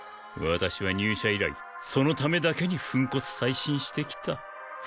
私は入社以来そのためだけに粉骨砕身してきた。